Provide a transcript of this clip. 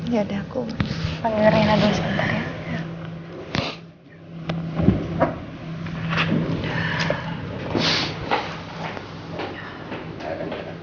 ya udah aku panggilnya aja sebentar ya